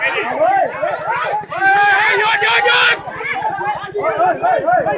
หล่อหล่อหล่อหล่อหล่อหล่อหล่อหล่อหล่อหล่อหล่อหล่อหล่อ